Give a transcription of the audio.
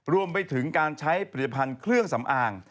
รวมไปถึงการใช้ผลิตภัณฑ์เครื่องสำอาง